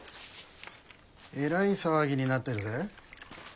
えらい騒ぎになってるぜ。